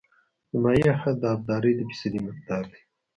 د مایع حد د ابدارۍ د فیصدي مقدار دی